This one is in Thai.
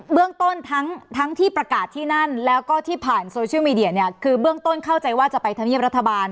เรื่องต้นทั้งทั้งที่ประกาศที่นั่นแล้วก็ที่ผ่านโซเชียลมีเดียเนี่ยคือเบื้องต้นเข้าใจว่าจะไปธรรมเนียบรัฐบาล